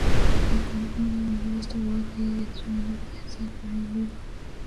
Then continuing westward it is joined by the Barren River.